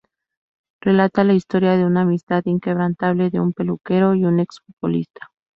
Relata la historia de una amistad inquebrantable de un peluquero y un ex futbolista.